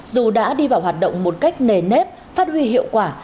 dù đã đi vào hoạt động một cách nề nếp phát huy hiệu quả